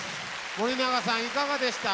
森永さんいかがでした？